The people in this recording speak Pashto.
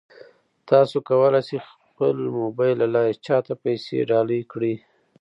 تاسو کولای شئ د خپل موبایل له لارې چا ته پیسې ډالۍ کړئ.